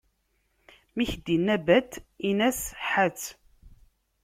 Mi k-d-inna: bat, ini-yas: ḥatt.